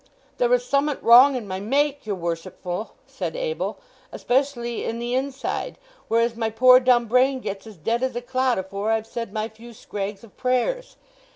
"There is sommit wrong in my make, your worshipful!" said Abel, "especially in the inside, whereas my poor dumb brain gets as dead as a clot afore I've said my few scrags of prayers.